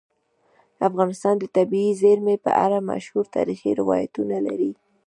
افغانستان د طبیعي زیرمې په اړه مشهور تاریخی روایتونه لري.